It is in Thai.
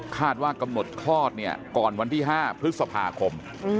คาดว่ากำหนดคลอดเนี่ยก่อนวันที่๕พฤษภาคม